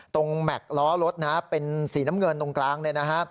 แม็กซ์ล้อรถนะฮะเป็นสีน้ำเงินตรงกลางเนี่ยนะฮะ